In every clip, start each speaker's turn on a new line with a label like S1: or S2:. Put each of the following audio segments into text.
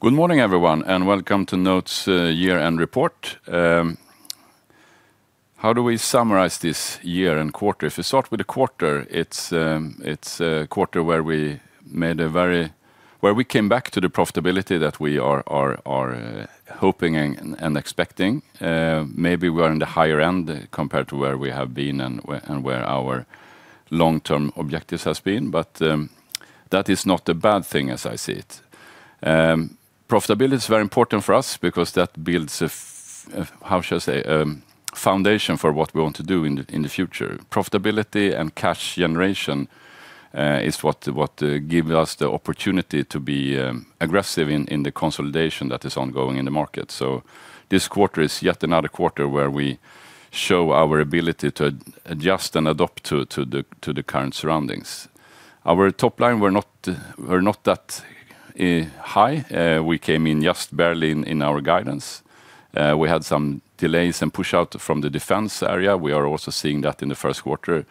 S1: Good morning, everyone, and welcome to NOTE's year-end report. How do we summarize this year and quarter? If we start with the quarter, it's a quarter where we came back to the profitability that we are hoping and expecting. Maybe we are in the higher end compared to where we have been and where our long-term objectives have been, but that is not a bad thing as I see it. Profitability is very important for us because that builds a—how should I say—foundation for what we want to do in the future. Profitability and cash generation is what gives us the opportunity to be aggressive in the consolidation that is ongoing in the market. So this quarter is yet another quarter where we show our ability to adjust and adapt to the current surroundings. Our top line were not that high. We came in just barely in our guidance. We had some delays and push-out from the Defence area. We are also seeing that in the Q1.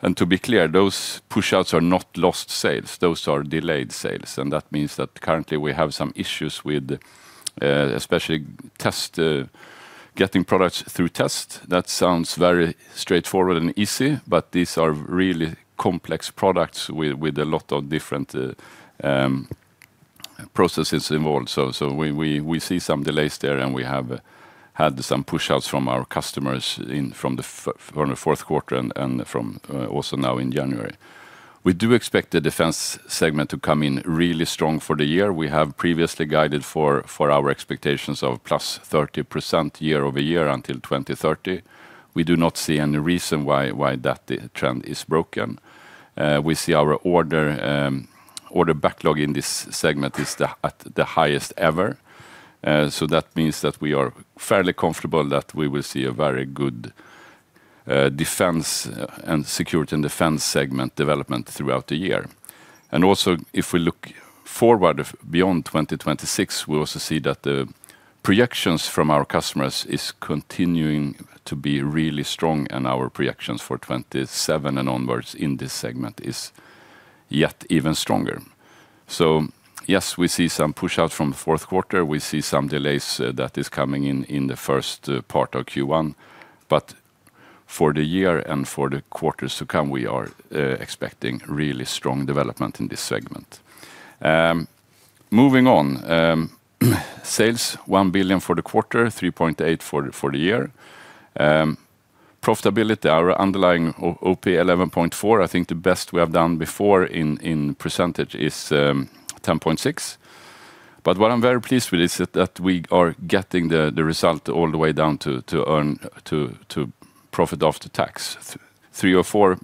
S1: And to be clear, those push-outs are not lost sales. Those are delayed sales. And that means that currently we have some issues with, especially test, getting products through test. That sounds very straightforward and easy, but these are really complex products with a lot of different processes involved. So we see some delays there, and we have had some push-outs from our customers in the Q4 and from also now in January. We do expect the Defence segment to come in really strong for the year. We have previously guided for our expectations of +30% year-over-year until 2030. We do not see any reason why that trend is broken. We see our order backlog in this segment is at the highest ever. So that means that we are fairly comfortable that we will see a very good Defence and Security segment development throughout the year. And also, if we look forward beyond 2026, we also see that the projections from our customers are continuing to be really strong, and our projections for 2027 and onwards in this segment are yet even stronger. So yes, we see some push-outs from the Q4. We see some delays that are coming in in the first part of Q1. But for the year and for the quarters to come, we are expecting really strong development in this segment. Moving on, sales: 1 billion for the quarter, 3.8 billion for the year. Profitability, our underlying OP: 11.4%. I think the best we have done before in percentage is 10.6%. But what I'm very pleased with is that we are getting the result all the way down to earnings to profit after tax. 3 or 4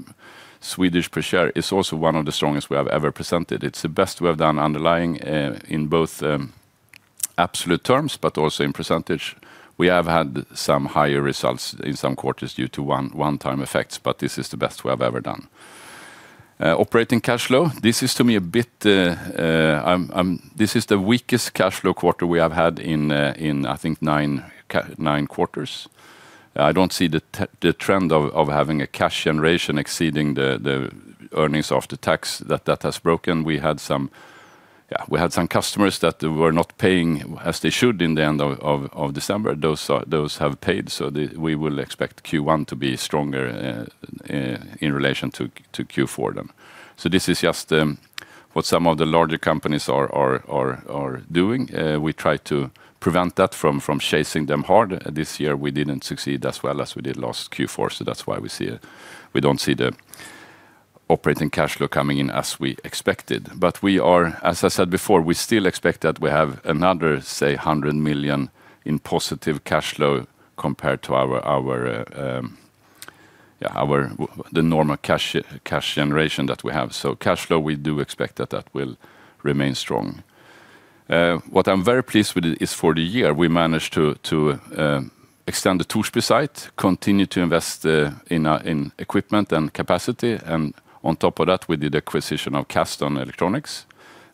S1: per share is also one of the strongest we have ever presented. It's the best we have ever done underlying, in both absolute terms, but also in percentage. We have had some higher results in some quarters due to one-time effects, but this is the best we have ever done. Operating cash flow, this is to me a bit. This is the weakest cash flow quarter we have had in, I think, nine quarters. I don't see the trend of having a cash generation exceeding the earnings after tax that has broken. We had some customers that were not paying as they should in the end of December. Those have paid. So we will expect Q1 to be stronger in relation to Q4 then. So this is just what some of the larger companies are doing. We try to prevent that from chasing them hard. This year we didn't succeed as well as we did last Q4, so that's why we see it. We don't see the operating cash flow coming in as we expected. But we are, as I said before, we still expect that we have another, say, 100 million in positive cash flow compared to our normal cash generation that we have. So cash flow, we do expect that that will remain strong. What I'm very pleased with is, for the year, we managed to extend the Torsby site, continue to invest in equipment and capacity. And on top of that, we did acquisition of Custom Electronics.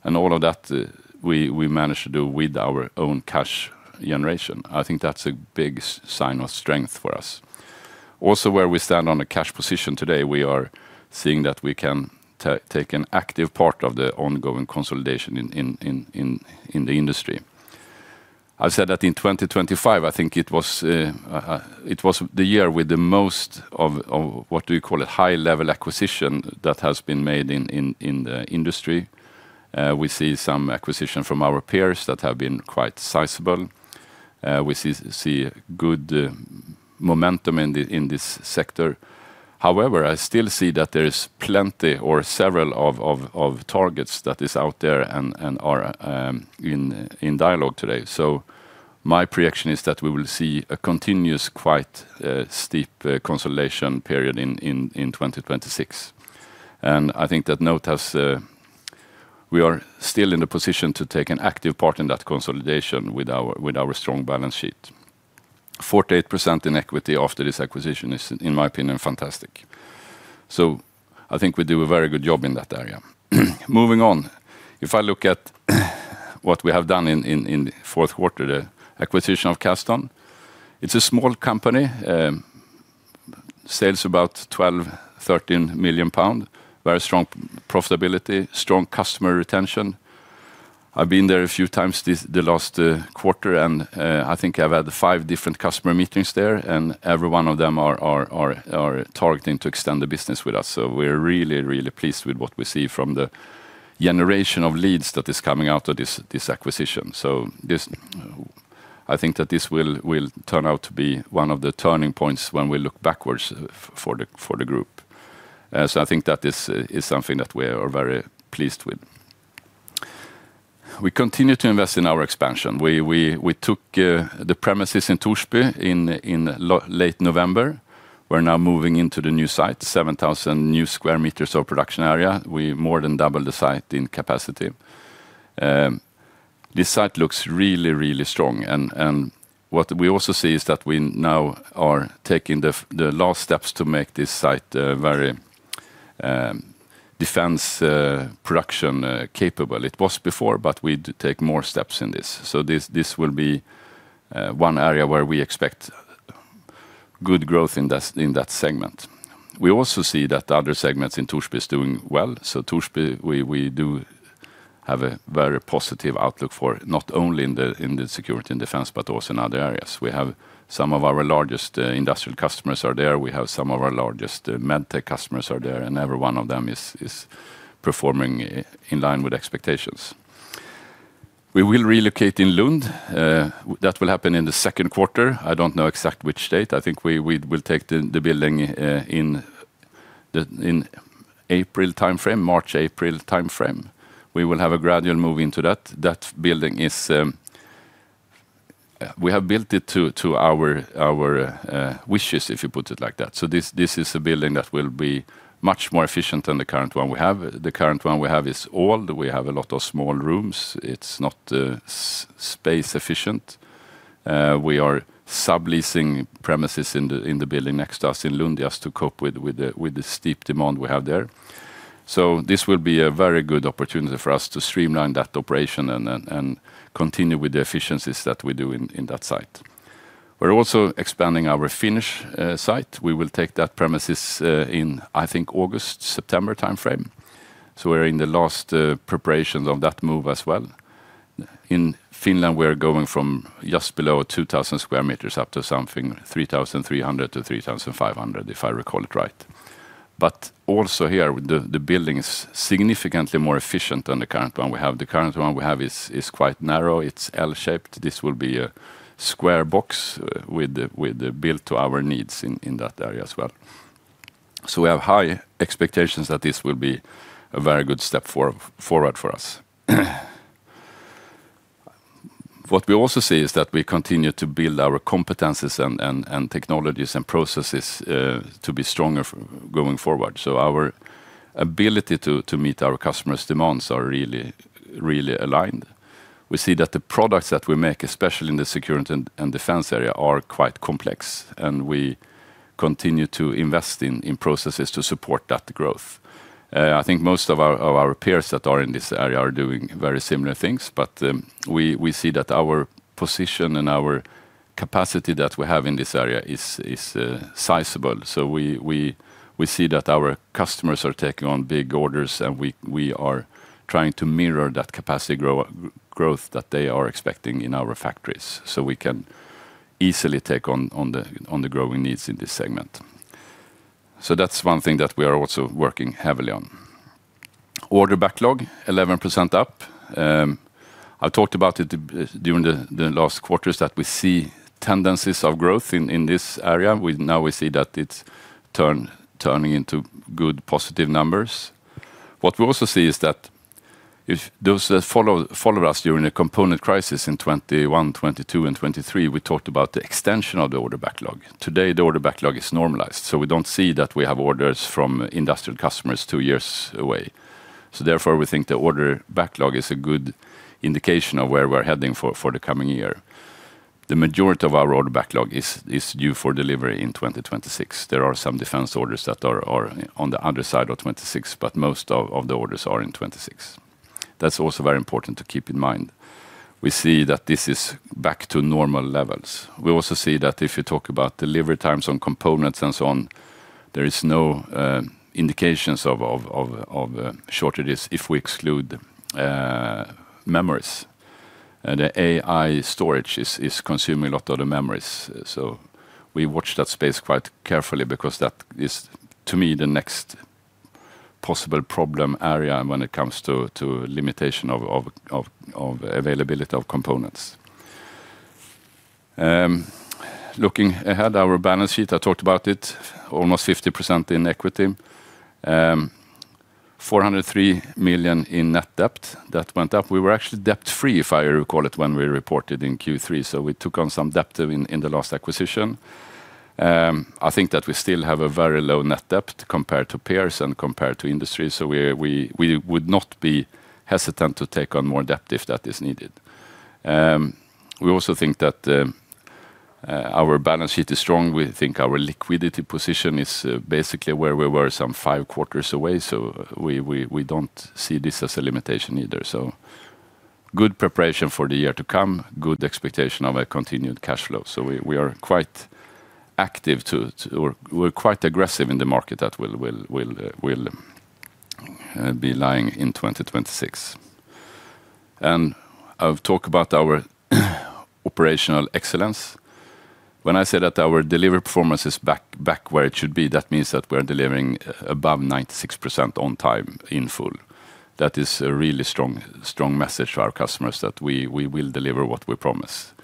S1: And all of that, we managed to do with our own cash generation. I think that's a big sign of strength for us. Also, where we stand on the cash position today, we are seeing that we can take an active part of the ongoing consolidation in the industry. I've said that in 2025, I think it was, it was the year with the most of what do you call it, high-level acquisition that has been made in the industry. We see some acquisition from our peers that have been quite sizable. We see good momentum in this sector. However, I still see that there is plenty or several of targets that are out there and are in dialogue today. So my projection is that we will see a continuous quite steep consolidation period in 2026. And I think that NOTE has, we are still in the position to take an active part in that consolidation with our strong balance sheet. 48% in equity after this acquisition is, in my opinion, fantastic. So I think we do a very good job in that area. Moving on, if I look at what we have done in the Q4, the acquisition of Custom Electronics. It's a small company. Sales about 12 million-13 million pounds. Very strong profitability, strong customer retention. I've been there a few times this last quarter, and I think I've had five different customer meetings there, and every one of them are targeting to extend the business with us. So we're really pleased with what we see from the generation of leads that is coming out of this acquisition. So this, I think that this will turn out to be one of the turning points when we look backwards for the group. So I think that is something that we are very pleased with. We continue to invest in our expansion. We took the premises in Torsby in late November. We're now moving into the new site, 7,000 sqm of production area. We more than doubled the site in capacity. This site looks really, really strong. And what we also see is that we now are taking the last steps to make this site very Defence production capable. It was before, but we take more steps in this. So this will be one area where we expect good growth in that segment. We also see that other segments in Torsby is doing well. So Torsby, we do have a very positive outlook for not only in the Security and Defence, but also in other areas. We have some of our largest Industrial customers are there. We have some of our largest Medtech customers are there, and every one of them is performing in line with expectations. We will relocate in Lund. That will happen in the Q2. I don't know exactly which date. I think we will take the building in the April timeframe, March, April timeframe. We will have a gradual move into that. That building is, we have built it to our wishes, if you put it like that. So this is a building that will be much more efficient than the current one we have. The current one we have is old. We have a lot of small rooms. It's not space efficient. We are subleasing premises in the building next to us in Lund just to cope with the steep demand we have there. So this will be a very good opportunity for us to streamline that operation and continue with the efficiencies that we do in that site. We're also expanding our Finnish site. We will take that premises, I think, August, September timeframe. So we're in the last preparations of that move as well. In Finland, we're going from just below 2,000 square meters up to something 3,300-3,500, if I recall it right. But also here, the building is significantly more efficient than the current one we have. The current one we have is quite narrow. It's L-shaped. This will be a square box with, built to our needs in that area as well. So we have high expectations that this will be a very good step forward for us. What we also see is that we continue to build our competences and technologies and processes, to be stronger going forward. So our ability to meet our customers' demands are really, really aligned. We see that the products that we make, especially in the Security and Defence area, are quite complex, and we continue to invest in processes to support that growth. I think most of our peers that are in this area are doing very similar things, but we see that our position and our capacity that we have in this area is sizable. So we see that our customers are taking on big orders, and we are trying to mirror that capacity growth that they are expecting in our factories so we can easily take on the growing needs in this segment. So that's one thing that we are also working heavily on. Order backlog, 11% up. I've talked about it during the last quarters that we see tendencies of growth in this area. We now see that it's turning into good positive numbers. What we also see is that if those that followed us during the component crisis in 2021, 2022, and 2023, we talked about the extension of the order backlog. Today, the order backlog is normalized, so we don't see that we have orders from Industrial customers two years away. So therefore, we think the order backlog is a good indication of where we're heading for the coming year. The majority of our order backlog is due for delivery in 2026. There are some Defence orders that are on the other side of 2026, but most of the orders are in 2026. That's also very important to keep in mind. We see that this is back to normal levels. We also see that if you talk about delivery times on components and so on, there is no indications of shortages if we exclude memories. The AI storage is consuming a lot of the memories. So we watch that space quite carefully because that is, to me, the next possible problem area when it comes to limitation of availability of components. Looking ahead, our balance sheet, I talked about it, almost 50% in equity, 403 million in net debt that went up. We were actually debt free, if I recall it, when we reported in Q3. So we took on some debt in the last acquisition. I think that we still have a very low net debt compared to peers and compared to industry. So we would not be hesitant to take on more debt if that is needed. We also think that our balance sheet is strong. We think our liquidity position is basically where we were some five quarters ago. So we don't see this as a limitation either. So good preparation for the year to come, good expectation of a continued cash flow. So we are quite active to, or we're quite aggressive in the market that we'll be buying in 2026. And I've talked about our operational excellence. When I say that our delivery performance is back, back where it should be, that means that we're delivering above 96% on time in full. That is a really strong, strong message to our customers that we will deliver what we promise.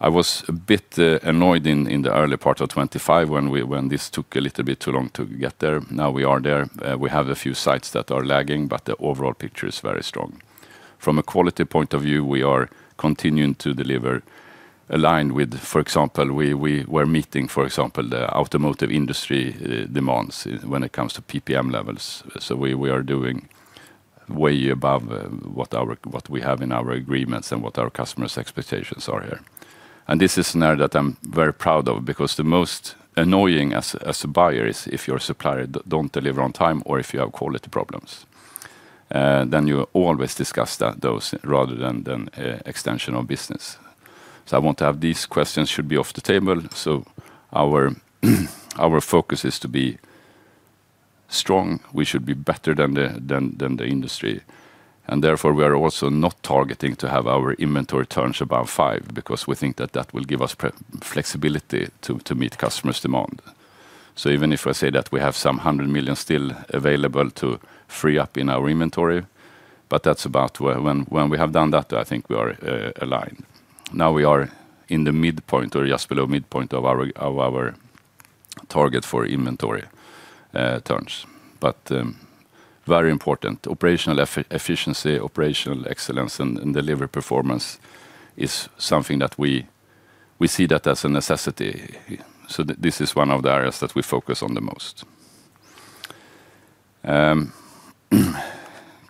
S1: I was a bit annoyed in the early part of 2025 when this took a little bit too long to get there. Now we are there. We have a few sites that are lagging, but the overall picture is very strong. From a quality point of view, we are continuing to deliver aligned with, for example, we were meeting, for example, the automotive industry demands when it comes to PPM levels. So we are doing way above what we have in our agreements and what our customers' expectations are here. This is an area that I'm very proud of because the most annoying as a buyer is if your supplier don't deliver on time or if you have quality problems. Then you always discuss that those rather than extension of business. So I want to have these questions should be off the table. So our focus is to be strong. We should be better than the industry. And therefore, we are also not targeting to have our inventory turns about five because we think that that will give us flexibility to meet customers' demand. So even if I say that we have some 100 million still available to free up in our inventory, but that's about when we have done that, I think we are aligned. Now we are in the midpoint or just below midpoint of our target for inventory turns. But very important operational efficiency, operational excellence, and delivery performance is something that we see that as a necessity. So this is one of the areas that we focus on the most.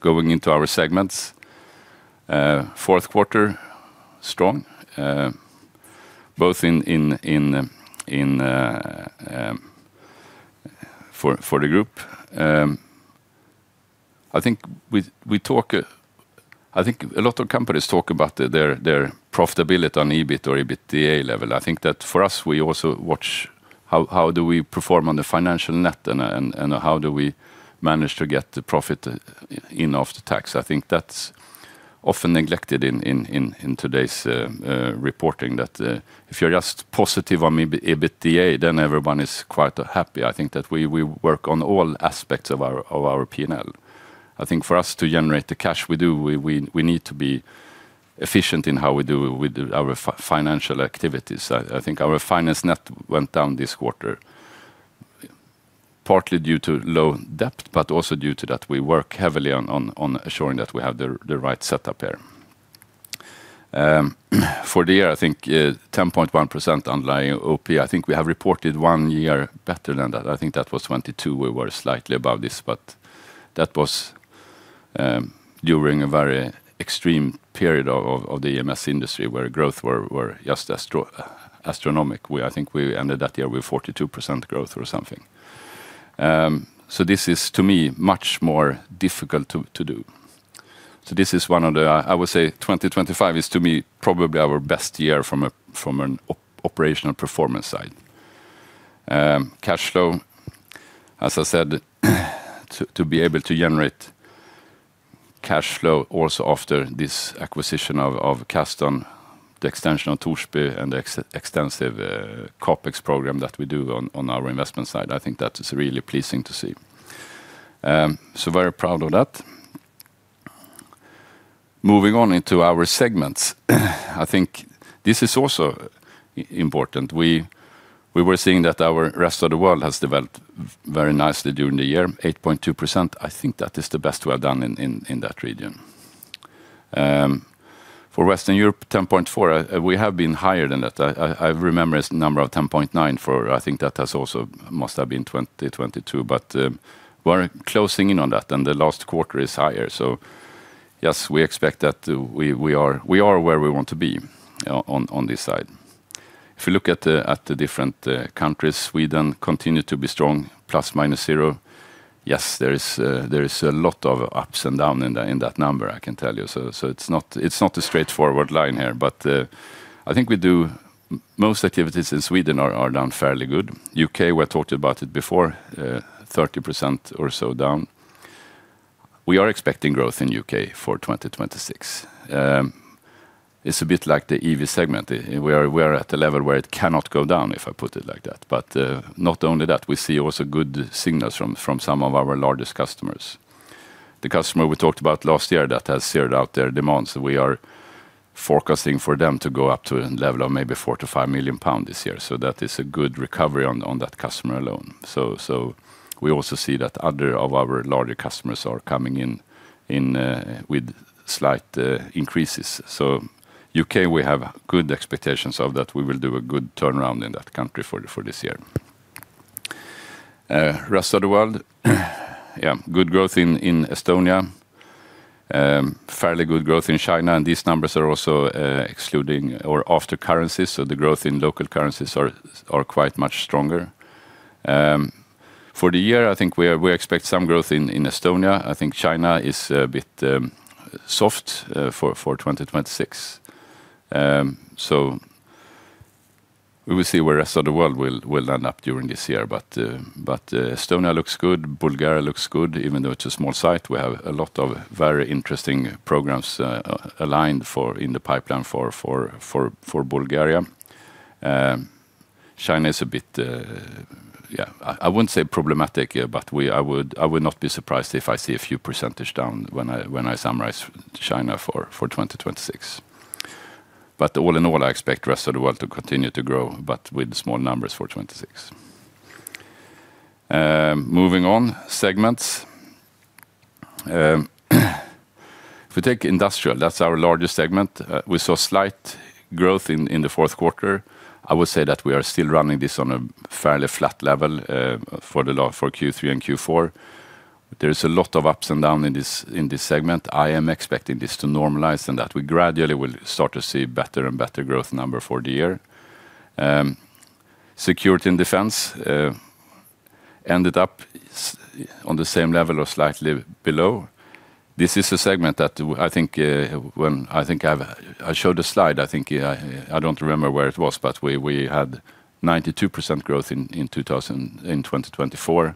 S1: Going into our segments, Q4 strong both in for the group. I think a lot of companies talk about their profitability on EBIT or EBITDA level. I think that for us, we also watch how we perform on the financial net and how we manage to get the profit in after tax. I think that's often neglected in today's reporting that if you're just positive on EBITDA, then everyone is quite happy. I think that we work on all aspects of our P&L. I think for us to generate the cash we do, we need to be efficient in how we do with our financial activities. I think our finance net went down this quarter partly due to low debt, but also due to that we work heavily on assuring that we have the right setup here. For the year, I think, 10.1% underlying OP. I think we have reported one year better than that. I think that was 2022. We were slightly above this, but that was during a very extreme period of the EMS industry where growth were just as astronomic. I think we ended that year with 42% growth or something. So this is, to me, much more difficult to do. So this is one of the, I would say 2025 is to me probably our best year from a, from an operational performance side. Cash flow, as I said, to, to be able to generate cash flow also after this acquisition of, of Custom, the extension of Torsby and the extensive CapEx program that we do on, on our investment side. I think that is really pleasing to see. So very proud of that. Moving on into our segments, I think this is also important. We, we were seeing that our Rest of World has developed very nicely during the year, 8.2%. I think that is the best we've done in, in, in that region. For Western Europe, 10.4%. We have been higher than that. I remember a number of 10.9% for, I think that has also must have been 2022, but we're closing in on that and the last quarter is higher. So yes, we expect that we are where we want to be on this side. If you look at the different countries, Sweden continues to be strong, ±0. Yes, there is a lot of ups and downs in that number, I can tell you. So it's not a straightforward line here, but I think we do most activities in Sweden are done fairly good. UK, we're talking about it before, 30% or so down. We are expecting growth in UK for 2026. It's a bit like the EV segment. We are at a level where it cannot go down, if I put it like that. But not only that, we see also good signals from some of our largest customers. The customer we talked about last year that has zeroed out their demands. So we are forecasting for them to go up to a level of maybe 4 million-5 million pounds this year. So that is a good recovery on that customer alone. So we also see that other of our larger customers are coming in with slight increases. So UK, we have good expectations of that we will do a good turnaround in that country for this year. Rest of World, yeah, good growth in Estonia, fairly good growth in China. And these numbers are also excluding or after currencies. So the growth in local currencies are quite much stronger. For the year, I think we expect some growth in Estonia. I think China is a bit soft for 2026. So we will see where the Rest of World will end up during this year. But Estonia looks good. Bulgaria looks good, even though it's a small site. We have a lot of very interesting programs aligned for in the pipeline for Bulgaria. China is a bit, yeah, I wouldn't say problematic, but I would not be surprised if I see a few percent down when I summarize China for 2026. But all in all, I expect the Rest of World to continue to grow, but with small numbers for 2026. Moving on segments. If we take Industrial, that's our largest segment. We saw slight growth in the Q4. I would say that we are still running this on a fairly flat level for Q3 and Q4. There's a lot of ups and downs in this segment. I am expecting this to normalize and that we gradually will start to see better and better growth number for the year. Security and Defence ended up on the same level or slightly below. This is a segment that I think. I showed a slide, I think. I don't remember where it was, but we had 92% growth in 2024,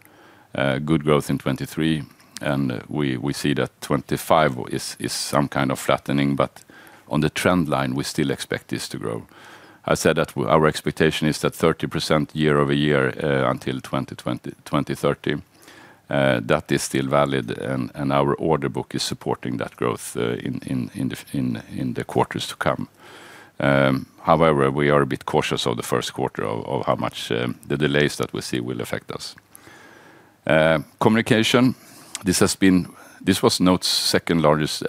S1: good growth in 2023. And we see that 2025 is some kind of flattening, but on the trend line, we still expect this to grow. I said that our expectation is that 30% year-over-year, until 2030, that is still valid and our order book is supporting that growth in the quarters to come. However, we are a bit cautious of the Q1 of how much the delays that we see will affect us. Communications, this was NOTE's second largest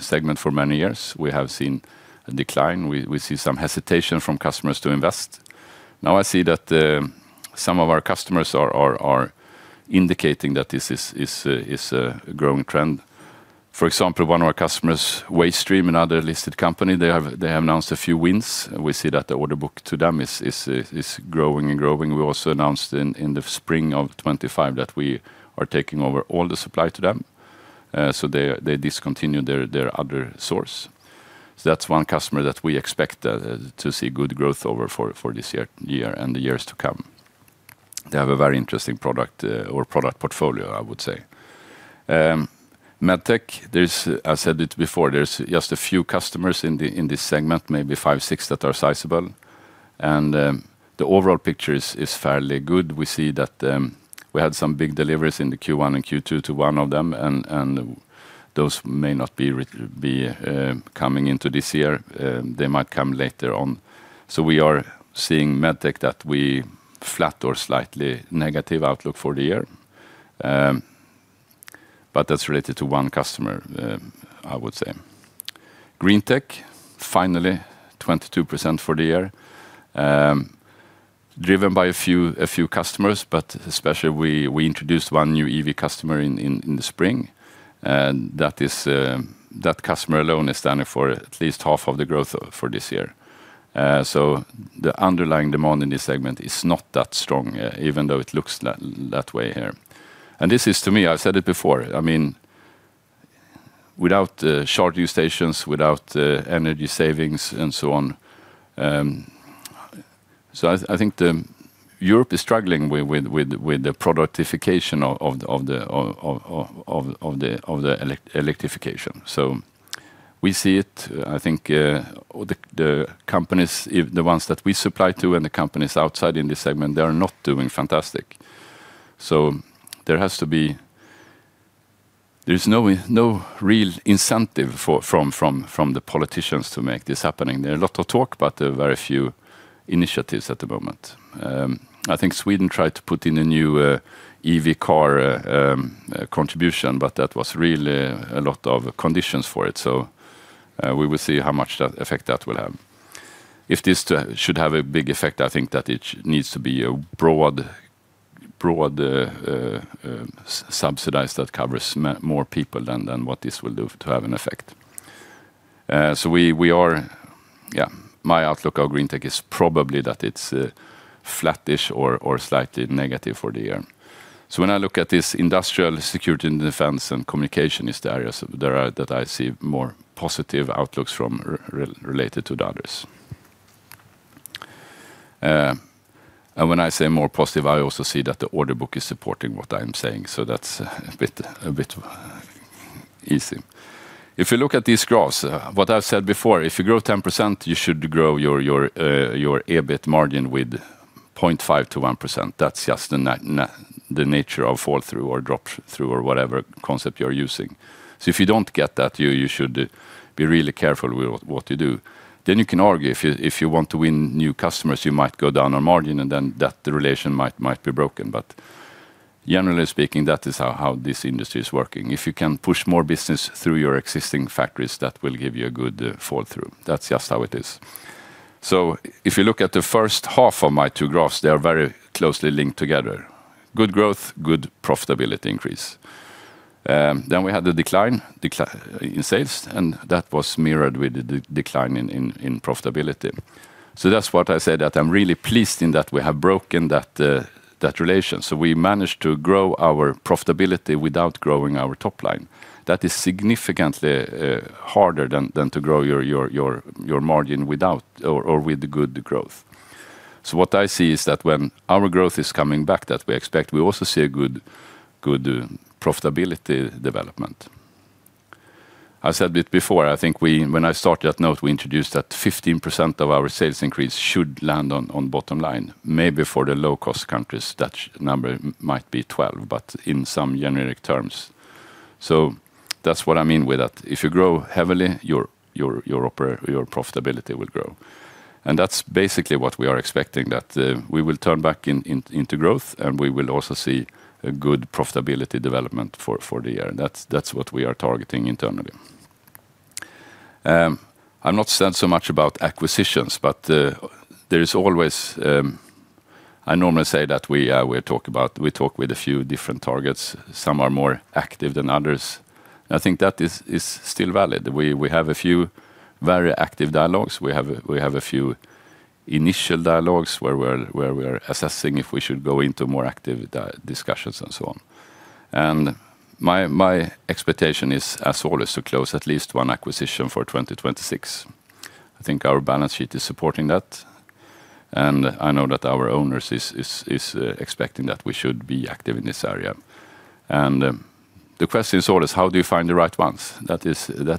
S1: segment for many years. We have seen a decline. We see some hesitation from customers to invest. Now I see that some of our customers are indicating that this is a growing trend. For example, one of our customers, Waystream, another listed company, they have announced a few wins. We see that the order book to them is growing and growing. We also announced in the spring of 2025 that we are taking over all the supply to them. So they discontinued their other source. So that's one customer that we expect to see good growth over for this year and the years to come. They have a very interesting product, or product portfolio, I would say. Medtech, there's, I said it before, there's just a few customers in this segment, maybe five, six that are sizable. And the overall picture is fairly good. We see that we had some big deliveries in the Q1 and Q2 to one of them, and those may not be coming into this year. They might come later on. So we are seeing Medtech that we flat or slightly negative outlook for the year. But that's related to one customer, I would say. Greentech, finally, 22% for the year, driven by a few customers, but especially we introduced one new EV customer in the spring. That is, that customer alone is standing for at least half of the growth for this year. So the underlying demand in this segment is not that strong, even though it looks that way here. And this is to me, I said it before, I mean, without the charging stations, without the energy savings and so on. So I think the Europe is struggling with the productification of the electrification. So we see it, I think, the companies, the ones that we supply to and the companies outside in this segment, they are not doing fantastic. So there has to be, there's no real incentive from the politicians to make this happen. There are a lot of talk, but there are very few initiatives at the moment. I think Sweden tried to put in a new EV car contribution, but that was really a lot of conditions for it. So, we will see how much effect that will have. If this should have a big effect, I think that it needs to be a broad subsidized that covers more people than what this will do to have an effect. So we are, yeah, my outlook of Greentech is probably that it's a flattish or slightly negative for the year. So when I look at the Industrial Security and Defence and communication is the areas that I see more positive outlooks from related to the others. When I say more positive, I also see that the order book is supporting what I'm saying. So that's a bit easy. If you look at these graphs, what I've said before, if you grow 10%, you should grow your EBIT margin with 0.5%-1%. That's just the nature of fall-through or drop-through or whatever concept you're using. So if you don't get that, you should be really careful with what you do. Then you can argue if you want to win new customers, you might go down on margin and then that relation might be broken. But generally speaking, that is how this industry is working. If you can push more business through your existing factories, that will give you a good fall through. That's just how it is. So if you look at the first half of my two graphs, they are very closely linked together. Good growth, good profitability increase. Then we had the decline in sales, and that was mirrored with the decline in profitability. So that's what I say that I'm really pleased in that we have broken that relation. So we managed to grow our profitability without growing our top line. That is significantly harder than to grow your margin without or with good growth. So what I see is that when our growth is coming back, that we expect we also see a good profitability development. I said it before. I think we, when I started at NOTE, we introduced that 15% of our sales increase should land on the bottom line, maybe for the low-cost countries, that number might be 12%, but in some generic terms. So that's what I mean with that. If you grow heavily, your operating profitability will grow. And that's basically what we are expecting, that we will turn back into growth and we will also see a good profitability development for the year. And that's what we are targeting internally. I've not said so much about acquisitions, but there is always. I normally say that we talk with a few different targets. Some are more active than others. And I think that is still valid. We have a few very active dialogues. We have a few initial dialogues where we're assessing if we should go into more active discussions and so on. My expectation is as always to close at least one acquisition for 2026. I think our balance sheet is supporting that. I know that our owners is expecting that we should be active in this area. The question is always, how do you find the right ones? That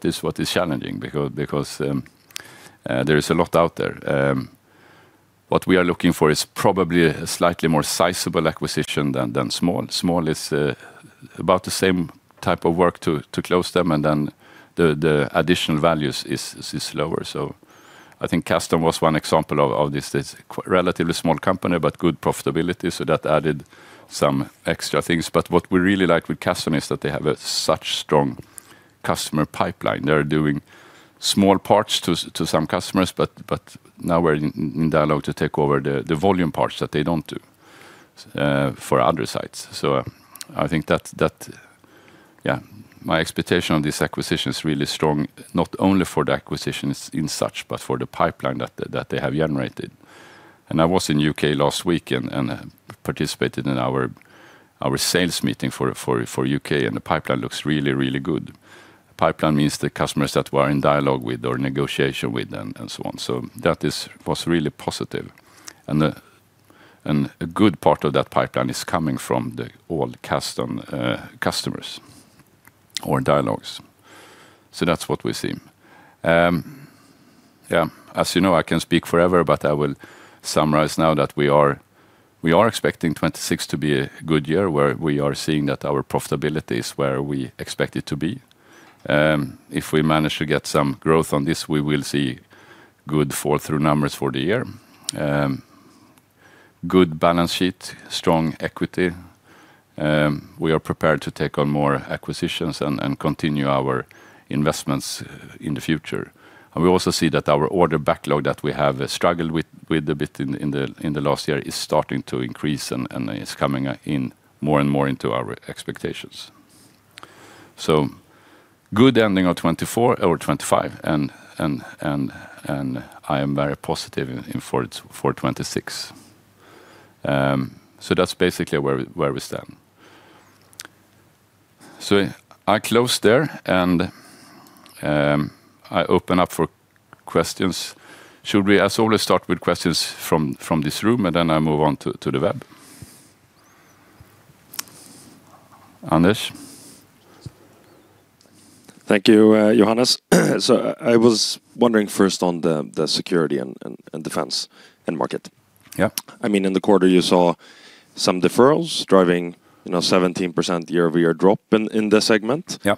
S1: is what is challenging because there is a lot out there. What we are looking for is probably a slightly more sizable acquisition than small. Small is about the same type of work to close them and then the additional values is lower. I think Custom was one example of this relatively small company, but good profitability. So that added some extra things. But what we really like with Custom is that they have such a strong customer pipeline. They're doing small parts to some customers, but now we're in dialogue to take over the volume parts that they don't do, for other sites. So I think that, yeah, my expectation of this acquisition is really strong, not only for the acquisition itself, but for the pipeline that they have generated. And I was in UK last week and participated in our sales meeting for UK and the pipeline looks really, really good. Pipeline means the customers that we are in dialogue with or negotiation with and so on. So that was really positive. And a good part of that pipeline is coming from the old Custom customers or dialogues. So that's what we see. Yeah, as you know, I can speak forever, but I will summarize now that we are expecting 2026 to be a good year where we are seeing that our profitability is where we expect it to be. If we manage to get some growth on this, we will see good fall through numbers for the year. Good balance sheet, strong equity. We are prepared to take on more acquisitions and continue our investments in the future. And we also see that our order backlog that we have struggled with a bit in the last year is starting to increase and is coming in more and more into our expectations. So good ending of 2024 or 2025 and I am very positive in for 2026. So that's basically where we stand. So I close there and I open up for questions. Should we as always start with questions from this room and then I move on to the web? Anders. Thank you, Johannes. So I was wondering first on the Security and Defence market. Yeah. I mean, in the quarter, you saw some deferrals driving, you know, 17% year-over-year drop in the segment. Yeah.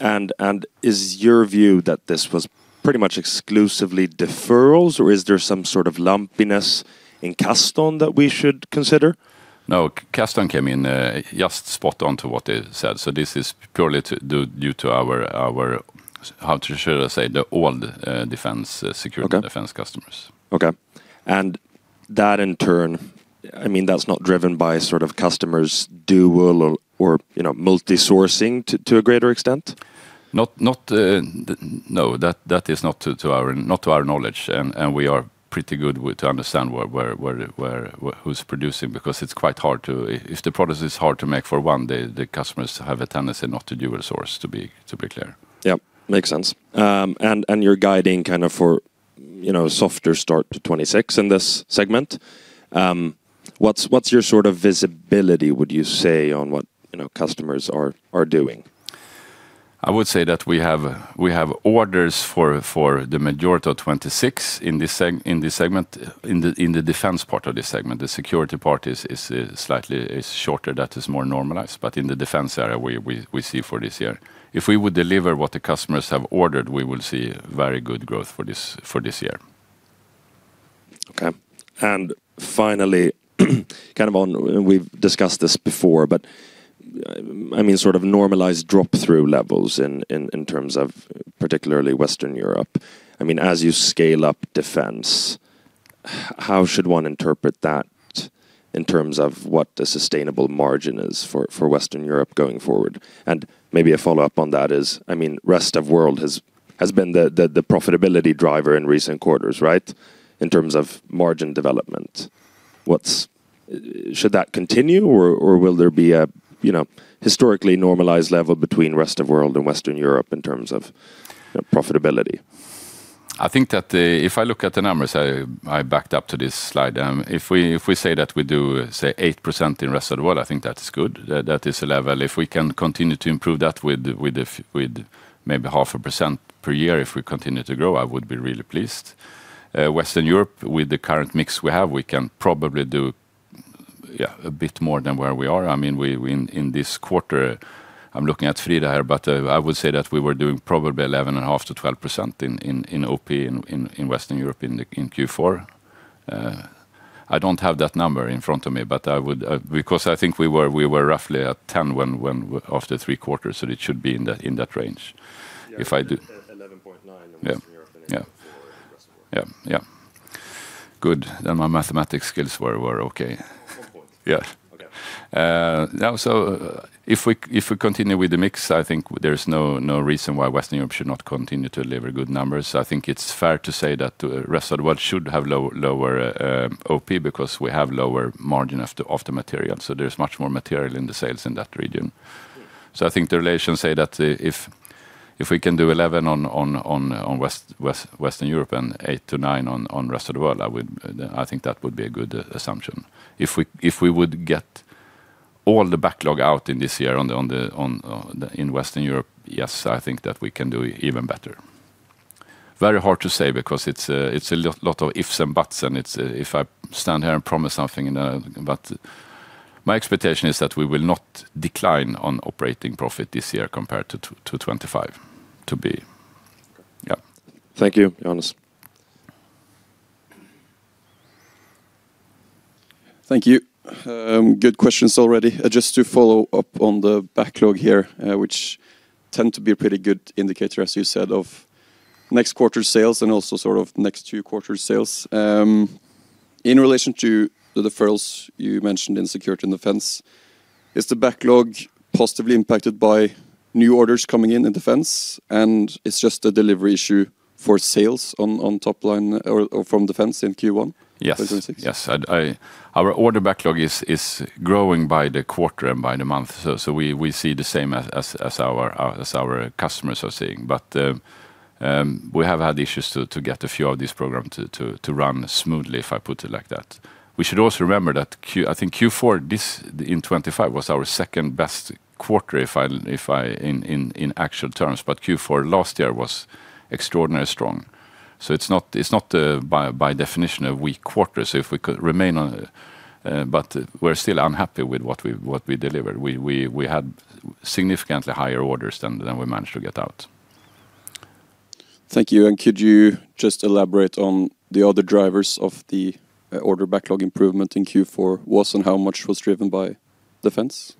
S1: And is your view that this was pretty much exclusively deferrals or is there some sort of lumpiness in Custom that we should consider? No, Custom came in just spot on to what they said. So this is purely due to our, how should I say, the old Defence security Defence customers. Okay. And that in turn, I mean, that's not driven by sort of customers' dual or, you know, multi-sourcing to a greater extent? No, that is not to our knowledge. And we are pretty good at understanding where who's producing because it's quite hard to, if the product is hard to make for one, the customers have a tendency not to do a source to be clear. Yeah. Makes sense. And you're guiding kind of for, you know, softer start to 2026 in this segment. What's your sort of visibility, would you say, on what, you know, customers are doing? I would say that we have orders for the majority of 2026 in this segment, in the Defence part of this segment. The security part is slightly shorter. That is more normalized. But in the Defence area, we see for this year, if we would deliver what the customers have ordered, we will see very good growth for this year. Okay. And finally, kind of on, we've discussed this before, but I mean, sort of normalized drop through levels in terms of particularly Western Europe. I mean, as you scale up Defence, how should one interpret that in terms of what the sustainable margin is for Western Europe going forward? And maybe a follow-up on that is, I mean, rest of world has been the profitability driver in recent quarters, right? In terms of margin development, what's should that continue or will there be a, you know, historically normalized level between rest of world and Western Europe in terms of, you know, profitability? I think that if I look at the numbers, I backed up to this slide. If we say that we do 8% in Rest of World, I think that's good. That is a level. If we can continue to improve that with maybe 0.5% per year, if we continue to grow, I would be really pleased. Western Europe with the current mix we have, we can probably do, yeah, a bit more than where we are. I mean, in this quarter, I'm looking at Frida here, but I would say that we were doing probably 11.5%-12% in OP in Western Europe in Q4. I don't have that number in front of me, but I would, because I think we were, we were roughly at 10 when, when after three quarters. So it should be in that, in that range. If I do 11.9 in Western Europe and in Q4. Yeah. Yeah. Good. Then my mathematics skills were, were okay. One point. Yeah. Okay. Now, so if we, if we continue with the mix, I think there's no, no reason why Western Europe should not continue to deliver good numbers. I think it's fair to say that the Rest of World should have low, lower, OP because we have lower margin of the, of the material. So there's much more material in the sales in that region. So I think the analysts say that if we can do 11 on Western Europe and 8-9 on Rest of World, I would, I think that would be a good assumption. If we would get all the backlog out in this year in Western Europe, yes, I think that we can do even better. Very hard to say because it's a lot of ifs and buts. If I stand here and promise something, but my expectation is that we will not decline on operating profit this year compared to 2025 to be.
S2: Okay. Yeah. Thank you, Johannes.
S3: Thank you. Good questions already. Just to follow up on the backlog here, which tend to be a pretty good indicator, as you said, of next quarter sales and also sort of next two quarter sales. In relation to the deferrals you mentioned in Security and Defence, is the backlog positively impacted by new orders coming in in Defence? And it's just a delivery issue for sales on top line or from Defence in Q1?
S1: Yes. Yes. I, our order backlog is growing by the quarter and by the month. So we see the same as our customers are seeing. But we have had issues to get a few of these programs to run smoothly, if I put it like that. We should also remember that Q, I think Q4 this in 2025 was our second best quarter, if I in actual terms. But Q4 last year was extraordinarily strong. So it's not by definition a weak quarter. So if we could remain on, but we're still unhappy with what we delivered. We had significantly higher orders than we managed to get out.
S3: Thank you. And could you just elaborate on the other drivers of the order backlog improvement in Q4 and how much was driven by Defence?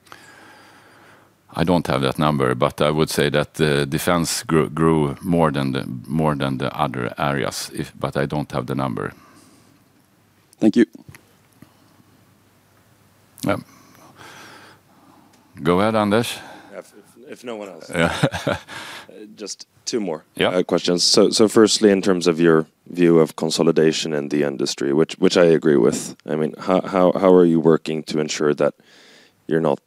S1: I don't have that number, but I would say that the Defence grew more than the other areas, but I don't have the number.
S3: Thank you.
S1: Yeah. Go ahead, Anders.
S2: Yeah. If no one else. Yeah. Just two more. Yeah. Questions. So firstly, in terms of your view of consolidation in the industry, which I agree with, I mean, how are you working to ensure that you're not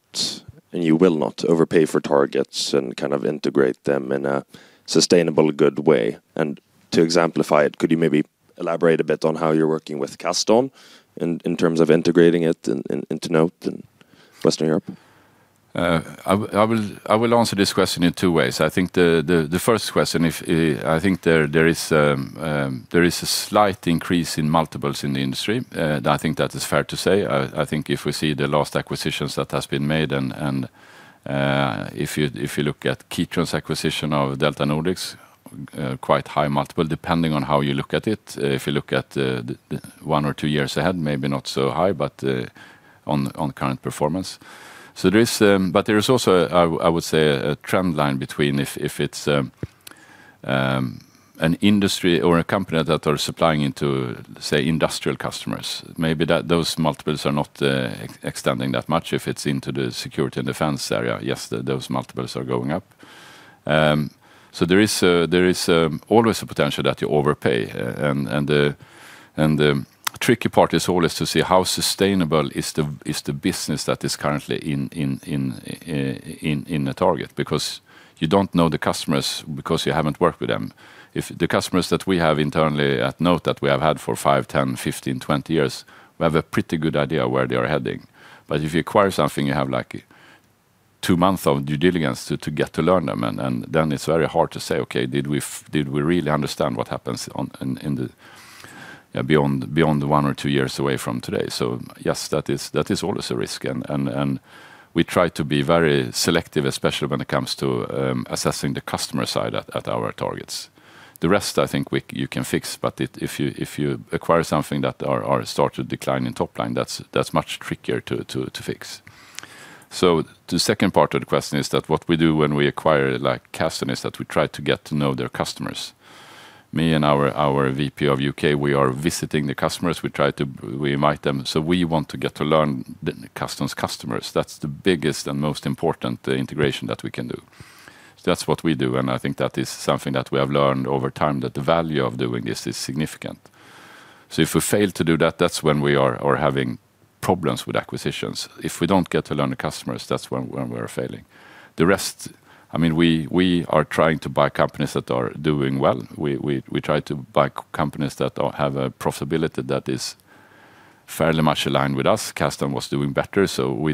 S2: and you will not overpay for targets and kind of integrate them in a sustainable, good way? And to exemplify it, could you maybe elaborate a bit on how you're working with Custom in terms of integrating it into NOTE and Western Europe?
S1: I will answer this question in two ways. I think the first question, I think there is a slight increase in multiples in the industry. I think that is fair to say. I think if we see the last acquisitions that have been made and if you look at Kitron's acquisition of DeltaNordic, quite high multiple depending on how you look at it. If you look at the one or two years ahead, maybe not so high, but on current performance. So there is, but there is also, I would say a trend line between if it's an industry or a company that are supplying into, say, Industrial customers, maybe those multiples are not extending that much. If it's into the Security and Defence area, yes, those multiples are going up. So there is always a potential that you overpay. The tricky part is always to see how sustainable the business that is currently in a target is because you don't know the customers because you haven't worked with them. If the customers that we have internally at NOTE that we have had for 5, 10, 15, 20 years, we have a pretty good idea where they are heading. But if you acquire something, you have like 2 months of due diligence to get to learn them. And then it's very hard to say, okay, did we really understand what happens in the, yeah, beyond one or two years away from today? So yes, that is always a risk. And we try to be very selective, especially when it comes to assessing the customer side at our targets. The rest, I think we can fix, but if you acquire something that starts to decline in top line, that's much trickier to fix. So the second part of the question is that what we do when we acquire like Custom is that we try to get to know their customers. Me and our VP of UK, we are visiting the customers. We try to invite them. So we want to get to learn the Custom's customers. That's the biggest and most important integration that we can do. So that's what we do. And I think that is something that we have learned over time that the value of doing this is significant. So if we fail to do that, that's when we are having problems with acquisitions. If we don't get to learn the customers, that's when we are failing. The rest, I mean, we are trying to buy companies that are doing well. We try to buy companies that have a profitability that is fairly much aligned with us. Custom was doing better. So we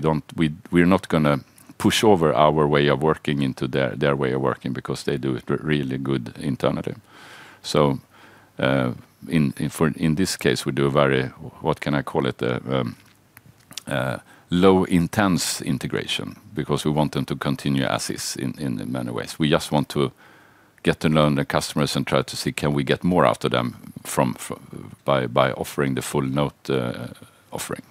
S1: are not gonna push over our way of working into their way of working because they do it really good internally. So in this case, we do a very, what can I call it, low intense integration because we want them to continue as is in many ways. We just want to get to learn the customers and try to see can we get more after them by offering the full NOTE offering.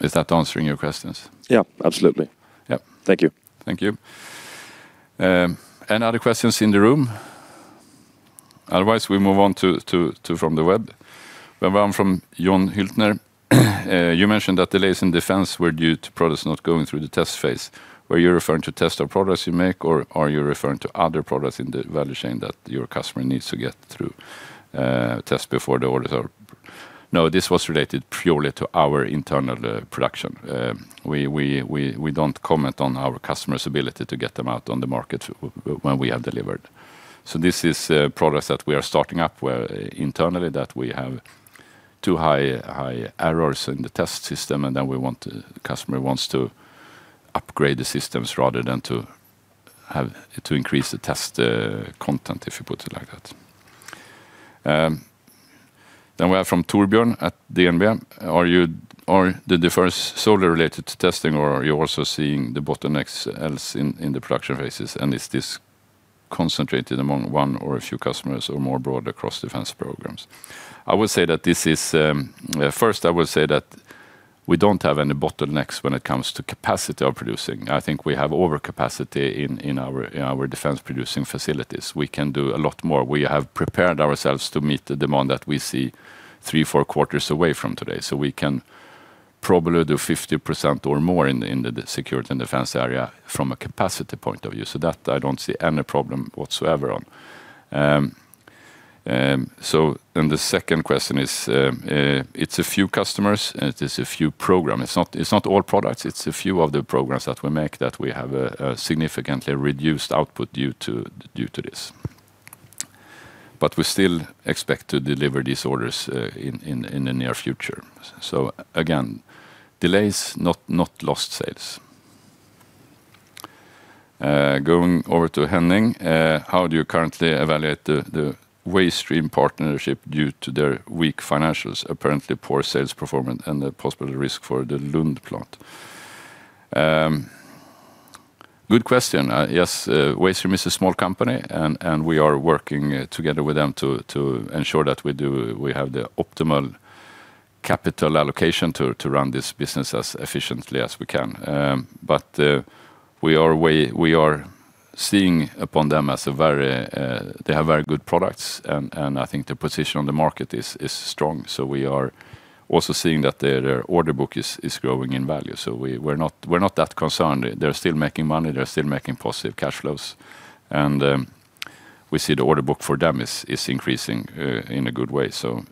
S1: Is that answering your questions?
S2: Yeah, absolutely. Yeah. Thank you.
S1: Thank you. Any other questions in the room? Otherwise, we move on to from the web. We have one from Jon Hyltner. You mentioned that delays in Defence were due to products not going through the test phase. Were you referring to test of products you make or are you referring to other products in the value chain that your customer needs to get through test before the orders are? No, this was related purely to our internal production. We don't comment on our customer's ability to get them out on the market when we have delivered. So this is a product that we are starting up where internally that we have too high errors in the test system and then we want the customer wants to upgrade the systems rather than to have to increase the test content if you put it like that. Then we have from Torbjörn at DNB Markets. Are you, are the deferrals solely related to testing or are you also seeing the bottlenecks else in, in the production phases? And is this concentrated among one or a few customers or more broad across Defence programs? I would say that this is, first I would say that we don't have any bottlenecks when it comes to capacity of producing. I think we have overcapacity in, in our, in our Defence producing facilities. We can do a lot more. We have prepared ourselves to meet the demand that we see three, four quarters away from today. So we can probably do 50% or more in, in the Security and Defence area from a capacity point of view. So that I don't see any problem whatsoever on. So then the second question is, it's a few customers and it is a few programs. It's not, it's not all products. It's a few of the programs that we make that we have a significantly reduced output due to, due to this. But we still expect to deliver these orders in, in, in the near future. So again, delays, not, not lost sales. Going over to Henning, how do you currently evaluate the Waystream partnership due to their weak financials, apparently poor sales performance and the possible risk for the Lund plant? Good question. Yes, Waystream is a small company and we are working together with them to ensure that we do, we have the optimal capital allocation to run this business as efficiently as we can. But we are viewing them as very, they have very good products and I think their position on the market is strong. So we are also seeing that their order book is growing in value. So we're not that concerned. They're still making money. They're still making positive cash flows. And we see the order book for them is increasing, in a good way. So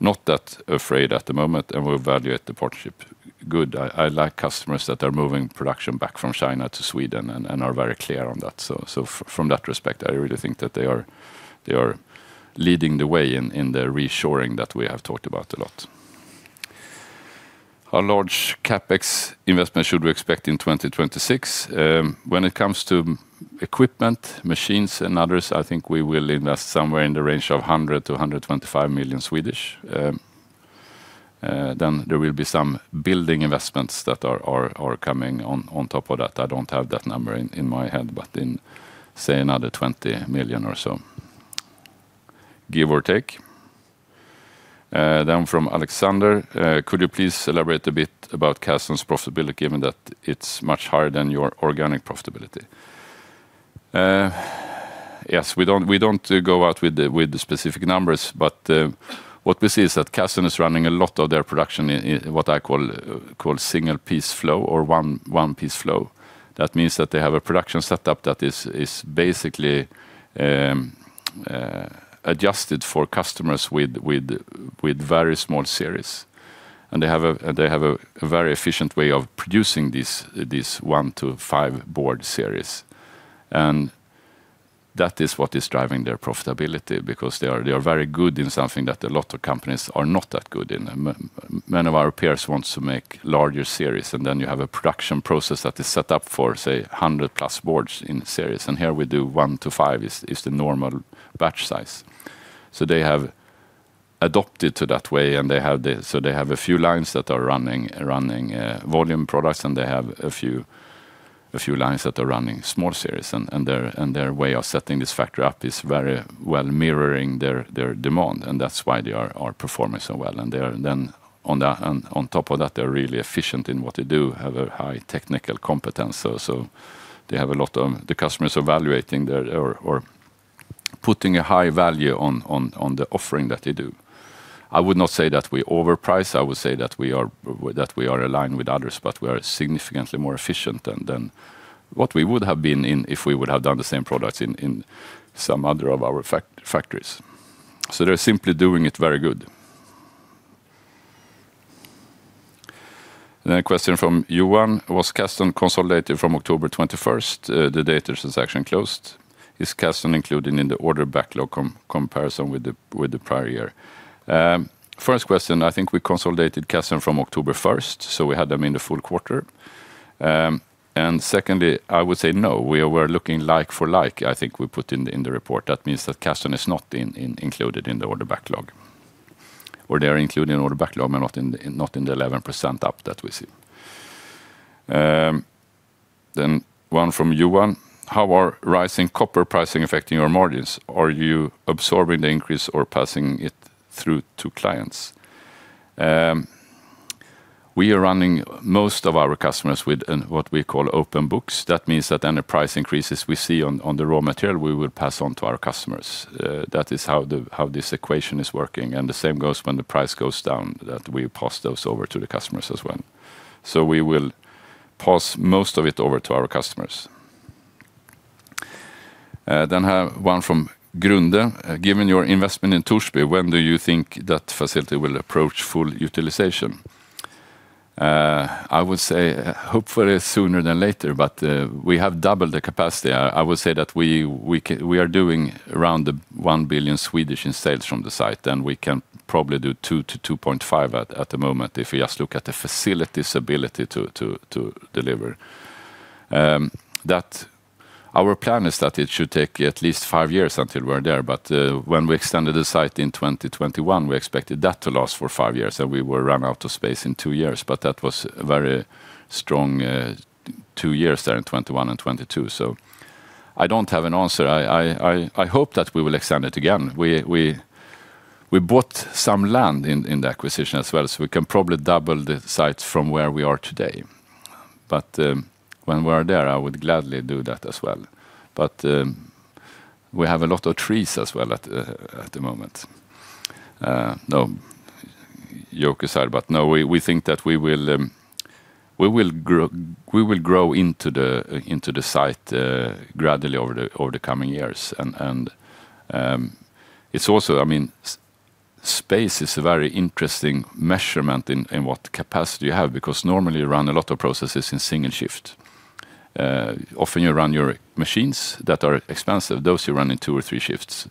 S1: not that afraid at the moment and we'll evaluate the partnership good. I like customers that are moving production back from China to Sweden and are very clear on that. So from that respect, I really think that they are leading the way in the reshoring that we have talked about a lot. How large CapEx investment should we expect in 2026? When it comes to equipment, machines and others, I think we will invest somewhere in the range of 100 million-125 million. Then there will be some building investments that are coming on top of that. I don't have that number in my head, but in, say, another 20 million or so, give or take. Then from Alexander, could you please elaborate a bit about Custom's profitability given that it's much higher than your organic profitability? Yes, we don't go out with the specific numbers, but what we see is that Custom is running a lot of their production in what I call single piece flow or one piece flow. That means that they have a production setup that is basically adjusted for customers with very small series. And they have a very efficient way of producing these one to five board series. And that is what is driving their profitability because they are very good in something that a lot of companies are not that good in. Many of our peers want to make larger series and then you have a production process that is set up for, say, 100+ boards in series. And here we do 1-5 is the normal batch size. So they have adapted to that way and so they have a few lines that are running volume products and they have a few lines that are running small series. And their way of setting this factory up is very well mirroring their demand. And that's why they are performing so well. They are then on that, on top of that, they're really efficient in what they do, have a high technical competence. So they have a lot of; the customers are evaluating their—or putting a high value on the offering that they do. I would not say that we overprice. I would say that we are, that we are aligned with others, but we are significantly more efficient than what we would have been if we would have done the same products in some other of our factories. So they're simply doing it very good. Then a question from Johan: Was Custom consolidated from October 21st? The acquisition transaction closed. Is Custom included in the order backlog comparison with the prior year? First question, I think we consolidated Custom from October 1st, so we had them in the full quarter. And secondly, I would say no, we were looking like for like. I think we put in, in the report. That means that Custom is not in, in included in the order backlog or they are included in order backlog, but not in, not in the 11% up that we see. Then one from Johan, how are rising copper pricing affecting your margins? Are you absorbing the increase or passing it through to clients? We are running most of our customers with what we call open books. That means that any price increases we see on, on the raw material, we will pass on to our customers. That is how the, how this equation is working. And the same goes when the price goes down, that we pass those over to the customers as well. So we will pass most of it over to our customers. Then I have one from Grunde. Given your investment in Torsby, when do you think that facility will approach full utilization? I would say hopefully sooner than later, but we have doubled the capacity. I would say that we can; we are doing around 1 billion in sales from the site. Then we can probably do 2 billion-2.5 billion at the moment if we just look at the facility's ability to deliver. That our plan is that it should take at least five years until we're there. But when we extended the site in 2021, we expected that to last for five years and we were run out of space in two years. But that was a very strong two years there in 2021 and 2022. So I don't have an answer. I hope that we will extend it again. We bought some land in the acquisition as well. So we can probably double the sites from where we are today. But when we are there, I would gladly do that as well. But we have a lot of trees as well at the moment. No, joke aside, but no, we think that we will grow into the site gradually over the coming years. And it's also, I mean, space is a very interesting measurement in what capacity you have because normally you run a lot of processes in single shift. Often you run your machines that are expensive, those you run in two or three shifts,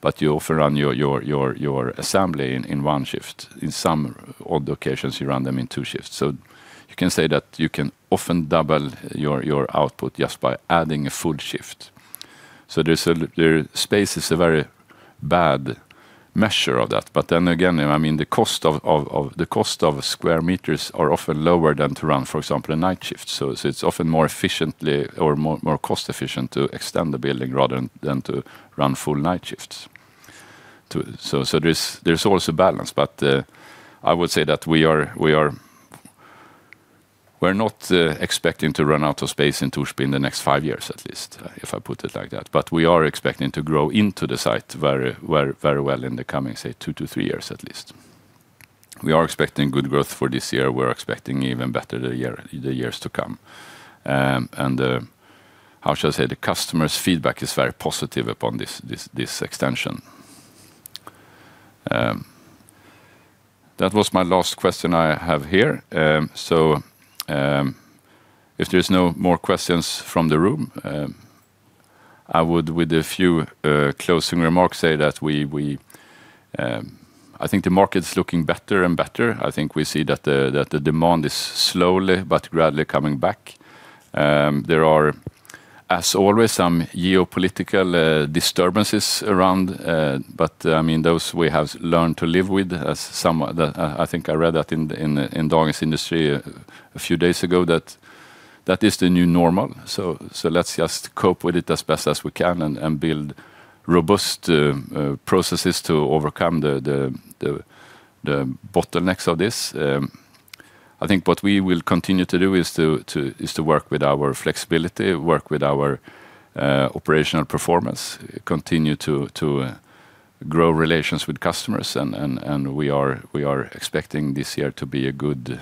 S1: but you often run your assembly in one shift. In some odd occasions, you run them in two shifts. So you can say that you can often double your output just by adding a full shift. So there's space is a very bad measure of that. But then again, I mean, the cost of square meters are often lower than to run, for example, a night shift. So it's often more efficiently or more cost efficient to extend the building rather than to run full night shifts. So, there's also a balance, but I would say that we're not expecting to run out of space in Torsby in the next five years at least, if I put it like that. But we are expecting to grow into the site very well in the coming, say, two to three years at least. We are expecting good growth for this year. We're expecting even better the years to come. And how should I say, the customer's feedback is very positive upon this extension. That was my last question I have here. So, if there's no more questions from the room, I would, with a few closing remarks, say that we, I think the market's looking better and better. I think we see that the demand is slowly but gradually coming back. There are, as always, some geopolitical disturbances around, but I mean, those we have learned to live with as someone that I think I read that in DNB Markets a few days ago that that is the new normal. So let's just cope with it as best as we can and build robust processes to overcome the bottlenecks of this. I think what we will continue to do is to work with our flexibility, work with our operational performance, continue to grow relations with customers. We are expecting this year to be a good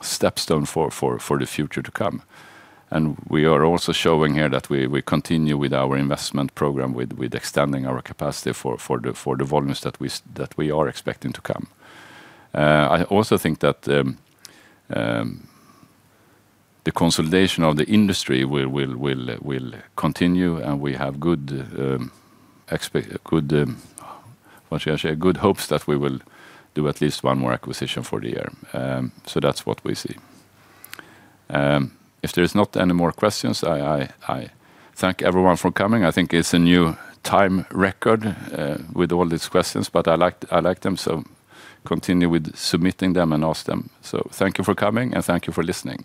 S1: stepping stone for the future to come. We are also showing here that we continue with our investment program with extending our capacity for the volumes that we are expecting to come. I also think that the consolidation of the industry will continue and we have good, what should I say, good hopes that we will do at least one more acquisition for the year. That's what we see. If there's not any more questions, I thank everyone for coming. I think it's a new time record with all these questions, but I liked them. Continue with submitting them and ask them. Thank you for coming and thank you for listening.